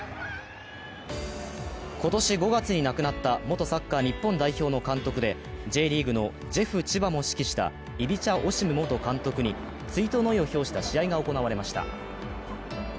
今年５月に亡くなった元サッカー日本代表の監督でＪリーグのジェフ千葉も指揮したイビチャ・オシム元監督に追悼の意を表した試合が行われました。